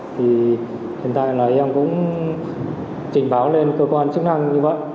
thì hiện tại là em cũng trình báo lên cơ quan chức năng như vậy